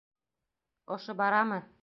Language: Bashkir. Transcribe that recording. Ошо барамы?